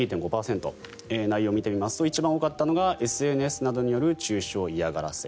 内容を見てみますと一番多かったのがＳＮＳなどによる中傷や嫌がらせ。